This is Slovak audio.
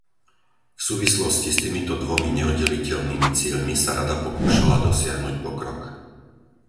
V súvislosti s týmito dvomi neoddeliteľnými cieľmi sa Rada pokúšala dosiahnuť pokrok.